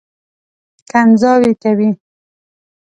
کنځاوې کوي.